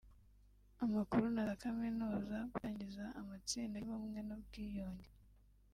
amakuru na za kaminuza gutangiza amatsinda y’Ubumwe n’Ubwiyunge